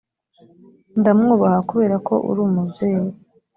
ndamwubaha kubera ko uri umubyeyi